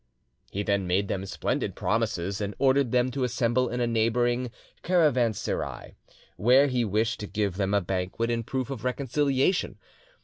He then made them splendid promises, and ordered them to assemble in a neighbouring caravanserai, where he wished to give them a banquet in proof of reconciliation.